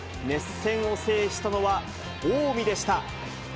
熱戦を制したのは近江でした。